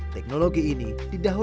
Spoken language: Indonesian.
teknologi ini dinamakan biorock